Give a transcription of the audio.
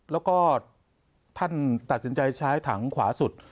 แล้วก็ท่านตัดสินใจใช้ถังขวาสุด